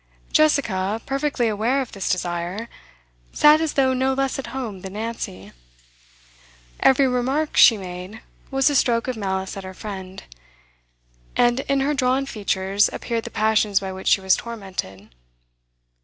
Jessica, perfectly aware of this desire, sat as though no less at home than Nancy. Every remark she made was a stroke of malice at her friend, and in her drawn features appeared the passions by which she was tormented.